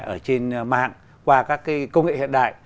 ở trên mạng qua các công nghệ hiện đại